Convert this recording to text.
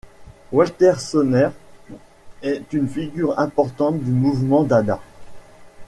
Walter Serner est une figure importante du mouvement Dada.